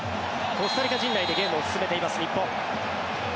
コスタリカ陣内でゲームを進めています日本。